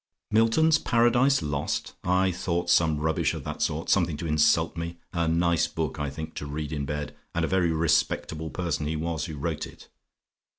"MILTON'S 'PARADISE LOST'? "I thought some rubbish of the sort something to insult me. A nice book, I think, to read in bed; and a very respectable person he was who wrote it.